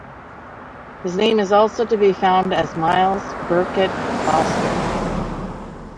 His name is also to be found as Myles Birkett Foster.